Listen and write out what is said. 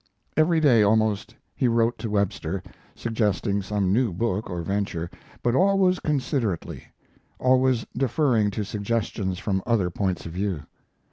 Every day almost he wrote to Webster, suggesting some new book or venture, but always considerately, always deferring to suggestions from other points of view.